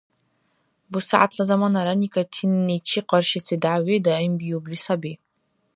БусягӀятла заманара никотинничи къаршиси дяви даимбиубли саби.